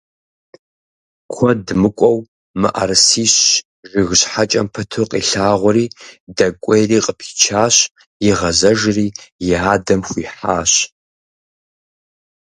Куэд мыкӀуэу мыӀэрысищ жыг щхьэкӀэм пыту къилъагъури дэкӀуейри къыпичащ, игъэзэжри и адэм хуихьащ.